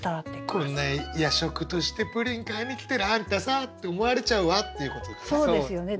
こんな夜食としてプリン買いに来てるあんたさって思われちゃうわっていうことですよね。